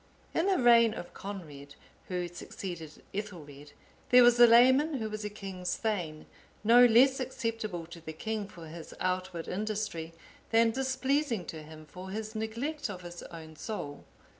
In the reign of Coenred,(847) who succeeded Ethelred, there was a layman who was a king's thegn, no less acceptable to the king for his outward industry, than displeasing to him for his neglect of his own soul.